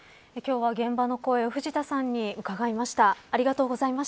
今日は現場の声を藤田さんに伺いました。